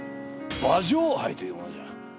馬上杯というものじゃ。